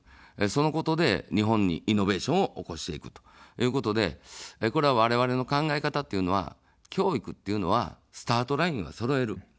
そのことで日本にイノベーションを起こしていくということで、これ、われわれの考え方というのは教育っていうのは、スタートラインをそろえる。